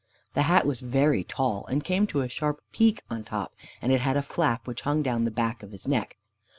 The hat was very tall, and came to a sharp peak on top, and it had a flap which hung down the back of his neck.